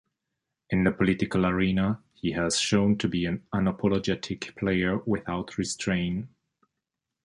In the political arena he has shown to be an unapologetic player without restrain.